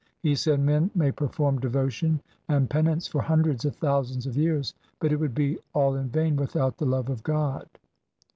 He said, ' Men may perform devotion and penance for hundreds of thousands of years, but it would be all in vain without the love of God.'